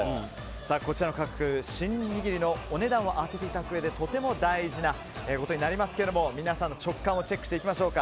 こちらの価格、シン握りのお値段を当てていただくうえでとても大事なことになりますけども皆さんの直感をチェックしていきましょう。